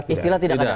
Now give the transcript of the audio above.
istilah tidak ada